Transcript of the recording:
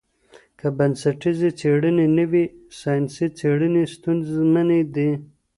که بنسټیزي څېړني نه وي ساینسي څېړني ستونزمنې دي.